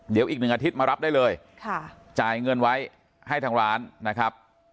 เดี๋ยวอีกหนึ่งอาทิตย์มารับได้เลยจ่ายเงินไว้ให้ทางร้านนะครับ